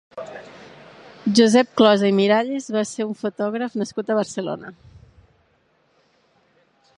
Josep Closa i Miralles va ser un fotògraf nascut a Barcelona.